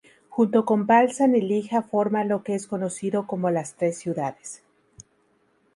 Junto con Balzan y Lija forman lo que es conocido como "Las Tres Ciudades".